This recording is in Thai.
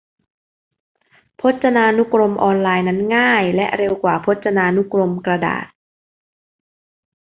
พจนานุกรมออนไลน์นั้นง่ายและเร็วกว่าพจนานุกรมกระดาษ